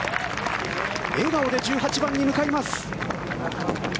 笑顔で１８番に向かいます。